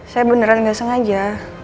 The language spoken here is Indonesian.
saya beneran gak sengaja